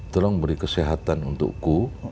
tolong beri kesehatan untukku